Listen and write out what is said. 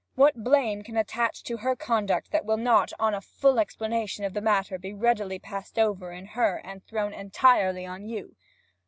What blame can attach to her conduct that will not, on a full explanation of the matter, be readily passed over in her and thrown entirely on you?